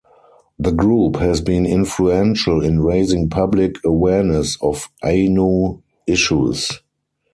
The group has been influential in raising public awareness of Ainu issues.